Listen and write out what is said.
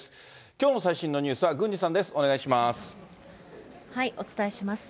きょうの最新のニュースは郡司さんです。